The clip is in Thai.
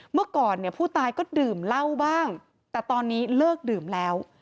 เมื่อก่อนเนี่ยผู้ตายก็ดื่มเหล้าบ้างแต่ตอนนี้เลิกดื่มแล้ว